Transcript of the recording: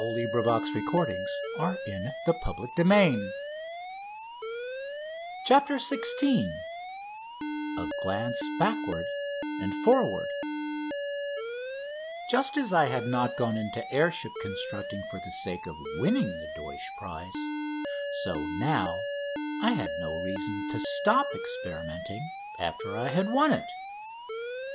[Illustration: ROUNDING EIFFEL TOWER] CHAPTER XVI A GLANCE BACKWARD AND FORWARD Just as I had not gone into air ship constructing for the sake of winning the Deutsch prize, so now I had no reason to stop experimenting after I had won it.